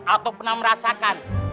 atau pernah merasakan